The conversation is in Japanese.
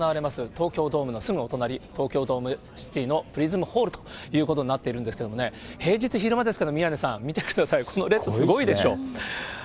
東京ドームのすぐお隣、東京ドームシティのプリズムホールということになってるんですけれどもね、平日昼間ですけども、宮根さん、見てください、この列、すごいでしょ。